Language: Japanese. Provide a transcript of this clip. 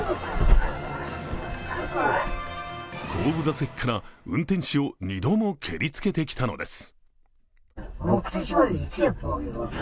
後部座席から運転手を２度も蹴りつけてきたのです。